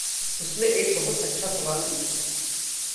उसने एक बहुत अच्छा सवाल पूछा।